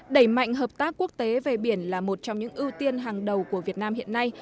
đẩy mạnh hợp tác quốc tế về biển là một trong những ưu tiên hàng đầu của việt nam hiện nay